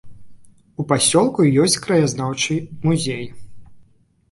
У пасёлку ёсць краязнаўчы музей.